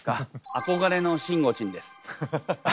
憧れのしんごちん。